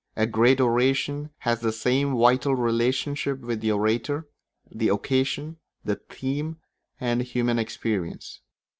A great oration has the same vital relationship with the orator, the occasion, the theme, and human experience.